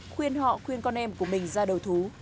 khuyên họ khuyên con em của mình ra đầu thú